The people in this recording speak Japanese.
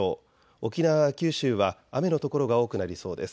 沖縄や九州は雨の所が多くなりそうです。